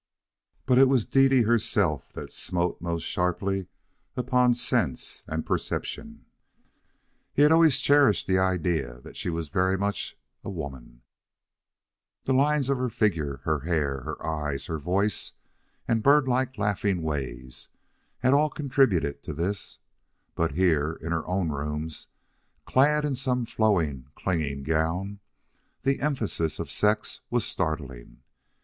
But it was Dede herself that smote most sharply upon sense and perception. He had always cherished the idea that she was very much a woman the lines of her figure, her hair, her eyes, her voice, and birdlike laughing ways had all contributed to this; but here, in her own rooms, clad in some flowing, clinging gown, the emphasis of sex was startling.